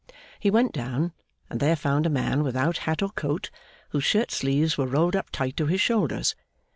He went down, and there found a man without hat or coat, whose shirt sleeves were rolled up tight to his shoulders.